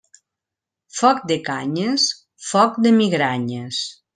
Foc de canyes, foc de migranyes.